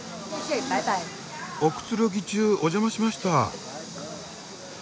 おくつろぎ中お邪魔しました。